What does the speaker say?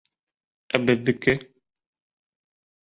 Ә беҙҙеке...